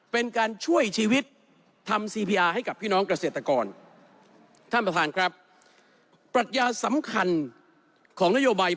เป้าหมายที่ได้มากก่อน